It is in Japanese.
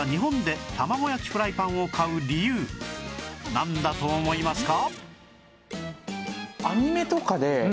なんだと思いますか？